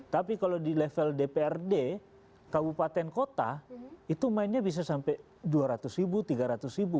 tapi kalau di level dprd kabupaten kota itu mainnya bisa sampai dua ratus ribu tiga ratus ribu